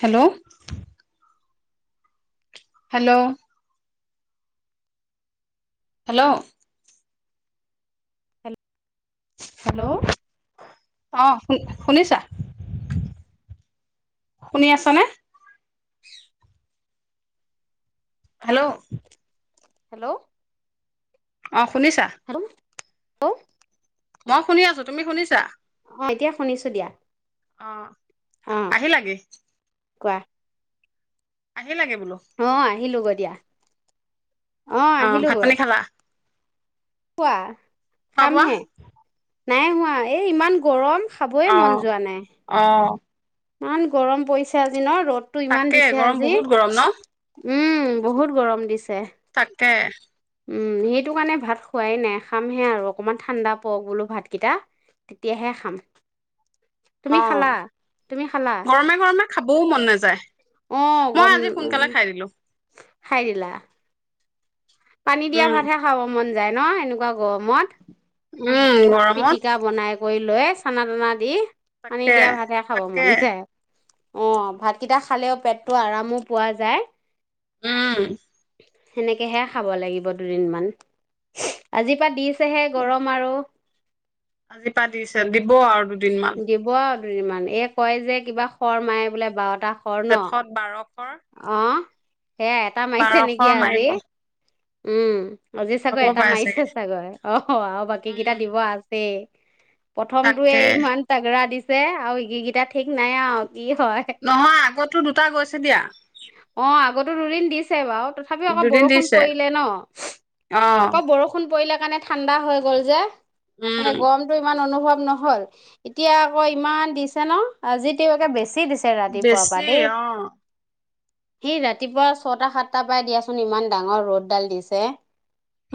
Hello hello hello hello ও অ শু শুনিছা, শুনি আছা নে? হেল্ল' হেল্ল' অ শুনিছা ও মই শুনি আছো তুমি শুনিছা। অ এতিয়া শুনিছো দিয়া। অ কাহে লাগে। কোৱাহ বোলো অ আহিলো ঘৰত। দিয়া অ আহিলো ভাত গৈ। পানী খালা কোৱা পাবা খামহে নাই হোৱা এই ইমান গৰম। খাবই মন অহ যোৱা নাই অহ ইমান গৰম পৰিছে আজ ন ৰ'দতটো ইমান তাকে দিছে গৰম আজি, বহুত গৰম ন উম বহুত গৰম দিছে। তে উম সেইটো কাৰণে ভাত খোৱাই নাই, খামহে আৰু অকমান ঠাণ্ডা পৰক বোলো ভাতকেইটা তেতিয়াহে খাম। তুমি খালা অঁ, তুমি খালা গৰমে গৰমে খাবও মন নাযায়। অ' মই আজি সোনকালে খাই দিলো। খায় দিলা পানী দিয়া উম ভাতহে খাব মন যায় ন এনেকুৱা গৰমত। উম' গৰমত পিটিকা বনাই কৰি লৈ চানা তানা দি! পানী তাকে দিয়া ভাতে খাব তাকে মন যায়। অঁ ভাতকেইটা খালেও পেটটো আৰামো পোৱা যায়। উম। সেনেকেহে খাব লাগিব দুদিন মমান, আজিৰ পৰা দিছ আছেহে গৰম আৰু আজি পা দিছে, দিব আৰু দুদিনমান। দুমান, এই কয় যে কিবা খৰ মায়ে বোলে বাওটা জেঠত বাৰস আহ সেয়া এটা মাৰিছে নেকি, বাৰশৰ আজি। মাৰিব উম। অজিত হ'ব চাগৈ এটা পাৰে চাগে মাৰিছে চাগৈ, অ আৰু বাকী কেইটা উম। দিব আছেই। তাকে প্ৰথমটোয়ে ইমান তাগৰা দিছে আৰুকেইটা ঠিক নাই আৰু কি হয় নহয় আগতো দুটা গৈছে দিয়া। আগো ৰুৰিণ দিছে বাৰু তথাপি আকৌ দুদিন বৰষুণ দিছে পৰিলে ন? অ আকৌ বৰষুণ পৰিলে সেইকাৰণে ঠাণ্ডা হৈ গ'ল যে। মানে উম গৰমটো ইমান অনুভৱ ন'হল। এতিয়া আকৌ ইমান দিছে ন? আজি তেয়ো একে বেছি দিছে বেছিয়েই অ সেই ৰাতিপুৱা ছটা, সাতটা পাই দিয়াচোন ইমান ডাঙৰ ৰ'দডাল দিছে।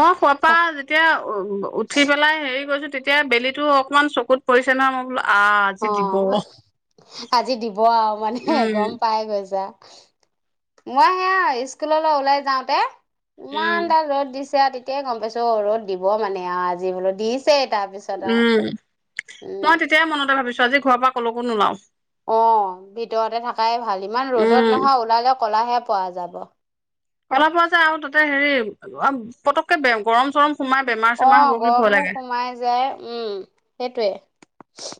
মই শুৱাৰ পৰা যেতিয়া উ-উঠি পেলাই হেৰি গৈছো তেতিয়া বেলিতো অকনমান চকুত পৰিছে নহয় মই বোলো আহ আজি দিব অ', আজি দিব আৰু মানে উম গম পাই গৈছা মই সেয়া স্কুললৈ ওলাই যাওঁতে ইমান উম দাল ৰ'দ দিছ তেতিয়াই গম পাইছো অ', ৰ'দ দিব মানে আৰু আজি বোলো দিছ উম, উম মই তেতিয়াই মনতে ভাবিছো আজি ঘৰৰ পৰা কলৈকো নোলাও অ', ভিতৰতে থাকাই ভাল ইমান ৰ'দত উম নহয়, ওলালে ক'লাহে পোৱা যাব। ক'লা পৰা যায় আৰু তাতে হেৰি আ পটককে বে গৰম চৰম সোমাই বেমাৰ চেমাৰ অ', হ'ব বুলি ভয় গৰমো লাগে সোমাই যায় উম, সেইটোয়ে।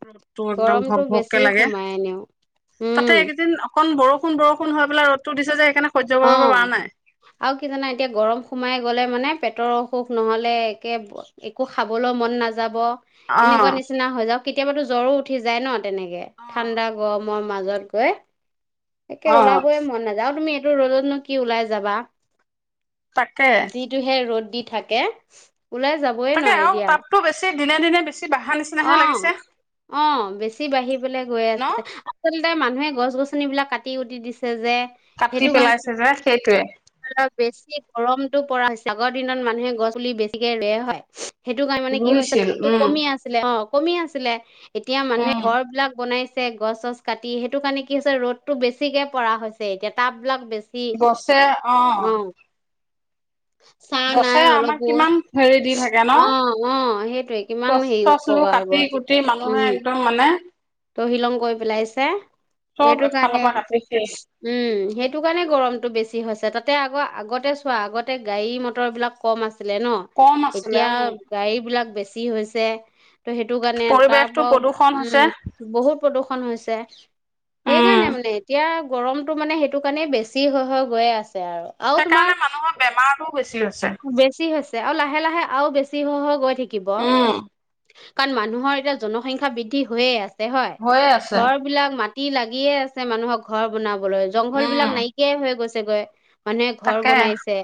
ৰ'দটো একদম ভক বেছি ভককে লাগে। সোমাই এনেও তাতে উম এইকেইদিন অ কণ বৰষুণ, বৰষুণ হৈ পেলাই ৰ'দটো দিছে যে সেইকাৰণে সহ্য অ কৰিব পৰা নাই আৰু কি জানা এতিয়া গৰম সোমাই গ'লে মানে পেটৰ অসুখ নহ'লে একে একো খাবলৈ মন নাযাব। এনেকোৱা অ'। নিচিনা হৈ যাওঁক কেতিয়াবাতো জ্বৰো উঠি যায় ন? তেনেকে। ঠাণ্ডা গৰম মই মাজত গৈ তাকে অ', ওলাবই মন নাযায় আৰু তুমি ৰ'দত নো কি ওলাই যাবা তাকে যিটোহে ৰ'দ। দি থাকে। ওলাই যাবই তাকে নোৱাৰি আৰু দিয়া। তাপতো বেছি দিনে দিনে বেছি বাঢ়া অ নিচিনাহে লাগিছে অ বেছি বাঢ়িবলৈ গৈ ন? আছে আচল লতে মানুহে গছ গছন বিলাক কাটি উটি দিছে যে কাটি সেইটো কাৰণে পেলাইছে যে সেইটোৱে বেছি গৰমটো পৰা হৈছে আগৰ দিনত মানুহে গছ পুলি বেছিকে ৰুৱে হয় সেইটো কাৰণনে কি হৈছে ৰুইছিল তাততো উম, কমি আছে অঁ কমি আছিলে এতিয়া মানুহে উম। ঘৰ বিলাক বনাইছে গছ চছ কাটি সেইটো কাৰণে কি হৈছে ৰ'দতটো বেছিকে পৰা হৈছে এতিয়া টাব বিলাক বেছি গছে অঁ ছাঁ নাই অলপো হেৰি দি থাকে ন? অঁ অঁ সেইটোৱেই কিমান গছ হেৰিও কাটি কুটি মানুহে একদম মানে তহিলং গৈ পেলাইছে চব সেইটো এফালৰ কাৰণে পৰা কাটি শেষ উম সেইটো কাৰণে গৰমতটো বেছি হৈছে তাত তাতে আকৌ আগতে চোৱা আগতে গাড়ী মটৰ বিলাক কম আছে আছিল ন কম আছিলে এতিয়া উম, গাড়ী বিলাক বেছি কি হৈছে ত' সেইটো কাৰণে তাৰ পৰিৱেশটো পৰা প্ৰদূষণ হৈছে উম বহুত প্ৰদূ্ষন হৈছে উম, সেইকাৰণে মানে এতিয়া গৰমটো মানে সেইটো কাৰণে বেছি হৈ হৈ গৈয়ে আছে আৰু আৰু তোমাৰ সেইকাৰণে মানুহৰ বেমাৰতো বেছি হৈছে বেছি হৈছে আৰু লাহে লাহে আৰু বেছি গৈ থাকি থাকিব উম। কাৰণ মানুহৰ এতিয়া জনসংখ্যা বৃদ্ধি হৈয়ে আছে হয় হৈয়ে আছে। ঘৰ বিলাক মাটি তি লাগিয়ে আছে মানুহক ঘৰ বনাব জংঘল উম। বিলাক নাইকিয়াই হৈ গৈছে গৈ মানে ঘৰ তাকে বনাইছে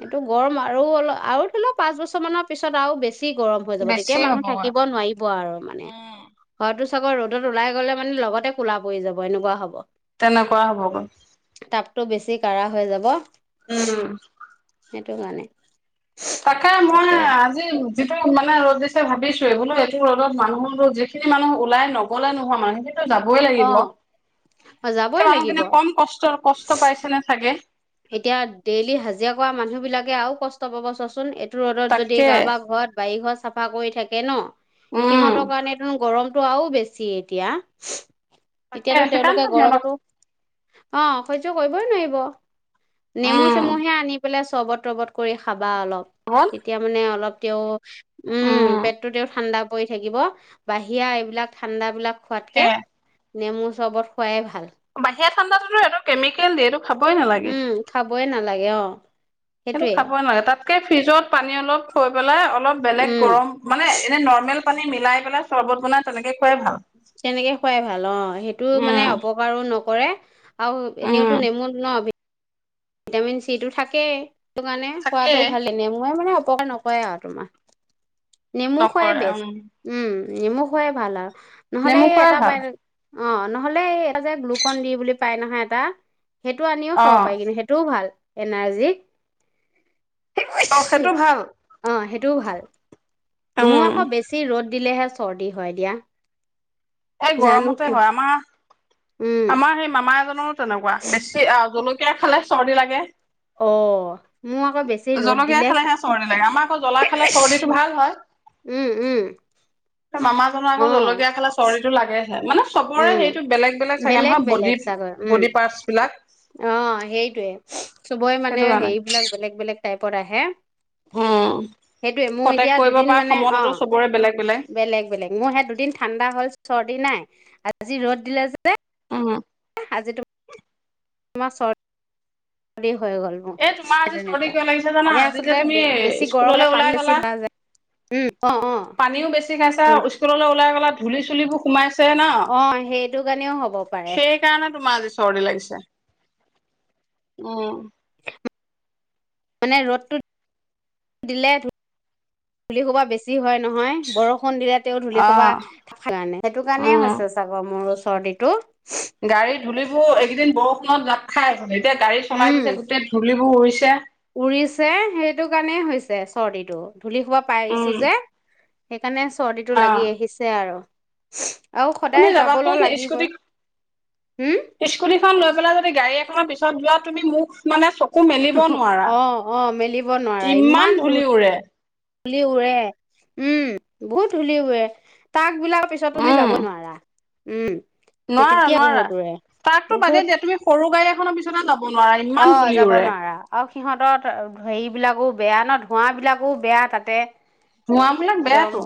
এইটো গৰম আৰু অলপ আৰু ধৰি লওঁ পাঁচ বছৰ মানৰ পিছত আৰু বেছি বেছি গৰম হৈ যাব বেছি তেতিয়া মানুহ হ'বগৈ। থাকিব নোৱাৰিব আৰু মানে উম হয়তো ৰ'দত ওলাই গ'লে মানে লগতে কোলা পৰি যাব এনেকুৱা হ'ব তেনেকুৱা হ'ব গৈ টো বেছি কাঢ়া হৈ যাব উম সেইটো কাৰণে তাকে মই আজি যিটো মানে ৰ'দ দিছে ভাবিছো বোলো এইটো ৰদত মানুহৰো যিখিনি মানুহ ওলাই নগললে নোহোৱা মানুহে যাবই অ লাগিব যাবই সেই লাগিব মানুহখিনি কম কষ্ট কষ্ট পাইছে নে চাগে এতিয়া ডেইলি হাজিৰা কৰা মানুহ বিলাকে আৰু কষ্ট পাব চোৱাচোন ৰ'দত যদি তাকে কাৰোবা ঘৰত বাৰী ঘৰ চাফা কৰি থাকে ন উম। সিহঁতৰ কাৰণে গৰম খোৱাও বেছি এতিয়া তাকেই তেতিয়াতো চেকান্ত তেওঁলোকে বিয়ানক গৰমটো অ সহ্য কৰিবই নোৱাৰিব। নেমু উম। চেমুহে আনিম বোলে চবত তৰবত কৰি খাব বা অলপ তেতিয়া মানে অলপ তেওঁ উম পেটটো তে ঠাণ্ডা পৰি থাকিব বাহিৰা এইবিলাক ঠাণ্ডাবিলাক তাকে খোৱাতকে নেমু চবত খোৱাই ভাল বাহিৰা ঠাণ্ডাতটো এইটো কেমিকেল দিয় এইটো খাবই নালাগে উম খাবই নালাগে অ সেইটো সেইটোৱে খাবই নালাগে তাত ফ্ৰিজত পানী অলপ থৈ পেলাই অলপ বেলেগ উম গৰম মানে এনে নৰ্মেল পানী মিলাই পেলাই চৰ্বত বনাই তেনেকে খুৱাই ভাল তেনেকে খুৱাই ভাল অ সেইটো মানে উম অপকাৰো নকৰে আৰু উম এনেওতো নেমু ন ভিটামিন চিটো থাকেই সটো কাৰণে খোৱাাতটো থাকেই ভাল এনে মইে মানে কয় নকয় আৰু তোমাৰ নেমু খোৱাই নকৰে বেচ উম। উম নেমখ খোৱোই ভাল আৰু নহলে নেমু খোৱাই এটা ব ভাল অ নহলে যে গ্লুকন দি বুলি পাই নহয় এটা সেইটো আনিও অ খাব পাৰে কিন্তুেইটো এনাৰ্জী অ সেইটো ভাল টু ভাল মো উম। আকৌ বেছি ৰ'দ দিলেহে চৰ্দি হয় দিয়া এই জানো গৰমতে কিয় হয় আমাৰ উম আমাৰ সেই মামা এজন তেনেকুৱা বেছি আ জলক কেৰা খালে চৰ্দি লাগে অ মোৰ আকৌ বেছি ৰ'দ জলকীয়া দিলে খালেহে চৰ্দি লাগে আমাৰ আকৌ জ্বলা খালে চৰ্দিটো ভাল হয়। উম উম মামাজনৰ আক অ জলকীয়া খালে চৰ্ৰিতো লাগেহে মানে চবৰে উম সেইটো বেলেগ বেলেগ চাগে নহয় বেলেগ বডী চাগৈ উম বডি পাৰ্টচ বিলাক অ সেইটোৱে চবৰে মানে সেইটো কাৰণে হেৰিবিলাক বেলেগ বেলেগ টাইপৰ আহে উম সেইটোয়ে মোৰ প্ৰটেক্ট এতিয়া কৰিব দুদিন পৰা মানে অ ক্ষমতাটো চবৰে বেলেগ বেলেগ বেলেগ মোৰ সে দুদিন ঠাণ্ডা হল চৰ্দি নাই আজি ৰ'দ দিলে যে উম আহ আজিতো আমাৰ চৰ অ এ তোমাৰ আজি চৰ্দি কিয় লাগিছে জানা আমি আজি যে আচলতে তুমি বেছি গৰম হলে স্কুললৈ পানী ওলাই বেছি গলা ধৰা যায় উম অ অ পানীও বেছি খাইছা ধুল স্কুললৈ ওলাই গলা ধুলি চুলিবোৰ সোমাইছে ছে ন অ সেইটো কাৰণেও হ'ব পাৰে সেই কাৰণে তোমাৰ আজি চৰ্দি লাগিছে অ মানে ৰ'দটো দিলে ধূল শোবা বেছি হয় নহয় বৰষুণ দিলে ধূলি অ খোবা থ কাৰণে সেইটো কাৰণে উম হৈছে চাগৰ মোৰ বডীটো গাড়ী ধূলিবোৰ এইকেইদিন বৰষুণত লাত খাই তিয়া গড়ী চলাই উম দিছে গোটেই ধূলি বোৰ উৰিছে ছে উৰিছে সেইটো কাৰণেই হৈছে চৰ্দিটো ধূলি সোপা পাই উম আহিছো যে সেইকাৰণে চৰ্দিটো অ লাগি আহিছে আৰু হয় তুমি যাবা কোন স্কুটি হম স্কুটিখন লৈ পেলাই যাব গাড়ী এখনৰ পিছত যোৱা তুমি মোক মানে মূখ মেলিব নোৱাৰা অ অ মেলিব নোৱাৰা ইমান ধূলি উৰে ধূলি উৰে উম বহুত ধূলি উৰে তাক বিলাৰ পিছত তুমি উম যাবই নোৱাৰা উম সেই নোৱাৰা তেতিয়া নোৱাৰা বহুত উৰে তাকতো বাদে দিয়া তুমি সৰু গাড়ী এখনৰ বিছনা না অঁ যাব নোৱাৰা আৰু সিহঁতৰ হেৰিবিলাকো বেয়া ন ধোঁৱা বিলাকো বেয়া তাতে ধোৱা বিলাক একদম বেয়াটো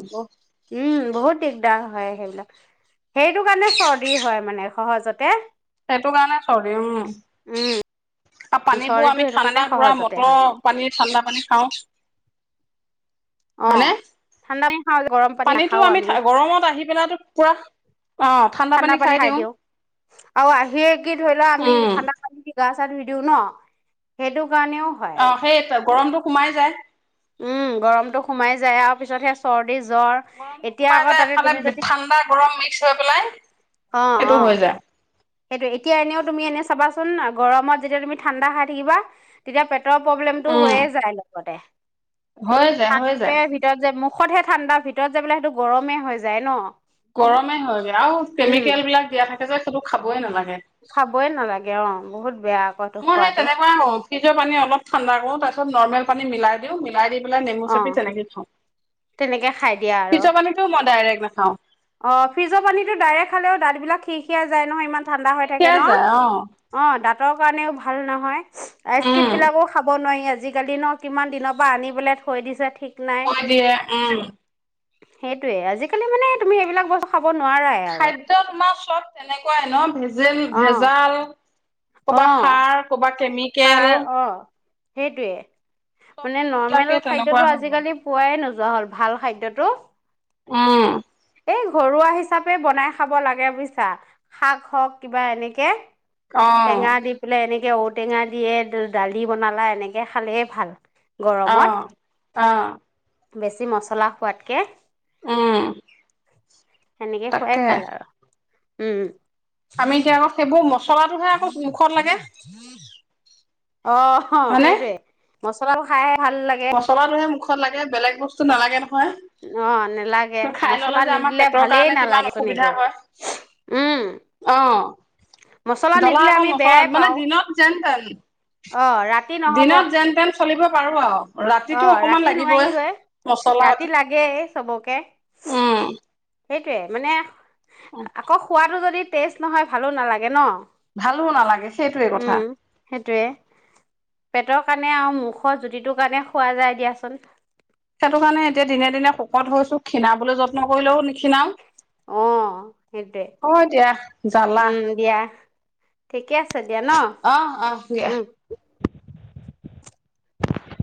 উম বহুত দিগদাৰ হয় সেইবিলাক সেইটো কাৰণে চৰ্দি হয় মানে সহজতে সেইটো কাৰণে চৰ্দি হয় উম আৰু পানীবোৰ চৰ্দিটো আমি সেইটো ঠাণ্ডা কাৰণে পুৰা সহজতে হয় মটৰ পানী ঠাণ্ডা পানী খাওঁ অঁ ঠাণ্ডা দ পানীতটো আমি গৰমত আহিব বেলো কোৱা ঠাণ্ডা পানী খাই দিওঁ আৰু আহিয়ে কি ধৰি লোৱা আমি উম ঠাণ্ডা পানী দি গা চা ধুই দিওঁ ন সেইটো সেইটোও কাৰণেও হয় অ সেই গৰমটো সোমাই যায় উম গৰমতটো সোমাই যায় আৰু পিছত সে চৰ্দি জ্বৰ গৰমটো এতিয়া সোমাই আকৌ যায় তা এফালে তুমি যদি ঠাণ্ডা গৰম মিক্স হৈ পেলাই অঁ সেইটো অঁ হৈ যায় সেইটো এতিয়া এনেও তুমি এনে চাবা চোন গৰমত যদু ঠান্দা খাই থাকিবা তেতিয়াই পেটতো ৰ প্ৰব্লেমটো উম হৈয়ে যায় লগতে হৈ যায় হৈ যায় ঔষধহে ঠাণ্ডাৰ ভিতৰত যাবলৈ সেইটো গৰমেই হৈ যায় ন গৰমে হয়গৈ আৰু উম কেমিকেল বিলাক দিয়া থাকে যে সেইটো খাবই নালাগে খাবই নালাগে অঁ বহুত বেয় খোৱাটো ফিজপানী অলপ ঠাডা কৰো তাৰপিছত নৰ্মমেল পান মিলাই দিওঁ মিলাই দি নেমু অ চেপি তেনেকৈ খা তেনেকে খাই দিয়া আৰু পিছ মানে মই নাখাওঁ। অ', ফ্ৰিজৰ পানীটো ডাইৰেক্ট খালেও, দাঁত বিলাক সি খিয়াই যায় নহয় ইমান ঠাণ্ডা হৈ থাকে শেষেই ন? যায় অ অ', দাঁতৰ কাৰণেও ভ ভাল নহয়। আইচ উম ক্ৰীম বিলাকো খাব নোৱাৰি আজি আজিকালি ন কিমান দিনৰ পৰা আনিবলৈ থৈ দিছে ঠিক নাই প দে উম। সেইটোয়ে আজিকালি মানে তুমি সেইবিলাক বস্তু খা খাদ্যয় মা চত তেনেক কুৱাই ন ভেজ যে অ', ভেজাল। ক'বাত অ', সাৰ ক'বাত সাৰ অ'। সেইটোৱে। চব মানে নৰ্মেল বিলাকে তেনেকুৱা খাদ্যতো হৈ গ'ল আজিকালি পোৱাই নোয যোৱা হ'ল ভাল খাদ্যটো। উম। এই ঘৰুৱা হিচাপে বনাই খাব লাগে বুজিছা। শাক হওক কিবা এনেকে। অ তেংঙা দীপিলাই এনেক। এনেকে ঔটেঙা দিয়ে দালি বনালা এনেকে খালে ভাল। গৰমত অহ, অহ। বেছি মছলা খোৱাতকে। অহ। সেনেকে খোৱাই ভাল আৰু। উম। আমি এতিয়া আকৌ সেইবোৰ ম ধ ধ ধ অহ' সেইটোৱে। মচলাটোৰ খাই ভাল লাগে মচলাটোহে মুখত লাগে, বেলেগ বস্তু নালাগে ন হয়, অ' নেলাগে খাই ললে মছলা যে আমাৰ নিদিলে পেটৰ ভালেই কাৰণে কিমান নালাগেচোন অসুবিধা একো হয়। উম অ', মছলা জলা নিদিলে অকন আমি মচলা বেয়াই মানে পাওঁ দিনত যেন তেন, অ' ৰাতি নহ'ব দিনত যেন তেন চলিব বাৰো আৰু। অ ৰাতিটো অকমান ৰাতি লাগিবই। নোৱাৰিগৈ মছলা পাতি ৰাতি লাগেই চবকে উম, সেইটোৱে মানে আকৌ খোৱাটো যদি টেষ্ট নহয় ভালো নালাগে ন ভালো নালাগে সেইটোৱে কথা উম সেইটোৱে পেটৰ কাৰণে আৰু মুখৰ জুতিটোৰ কাৰণে খোৱা যায় দিয়াচোন সেইটো কাৰণে এতিয়া দিনে দিনে শকত হৈছো খীণাবলৈ যত্ন কৰিলেও নিখি নাও অ' সেইটোৱে হয় দিয়া জালা উম দিয়া ঠিকে আছে দিয়া ন অ' দিয়া। উম